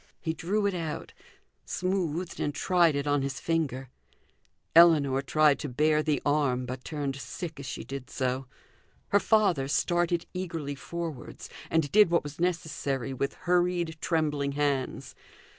He drew it out, smoothed and tried it on his finger. Ellinor tried to bare the arm, but turned sick as she did so. Her father started eagerly forwards, and did what was necessary with hurried trembling hands.